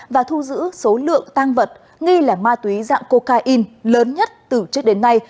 và thu giữ số lượng tăng vật nghi là ma túy dạng cocaine lớn nhất từ trước đến nay